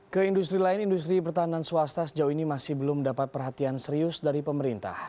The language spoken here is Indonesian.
ke industri lain industri pertahanan swasta sejauh ini masih belum mendapat perhatian serius dari pemerintah